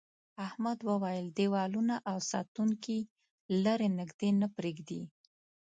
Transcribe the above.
احمد وویل دیوالونه او ساتونکي لري نږدې نه پرېږدي.